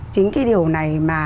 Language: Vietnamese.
chính cái điều này mà